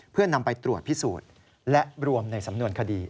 เพื่อนำไปตรวจพิสูจน์และรวมในสำนวนคดี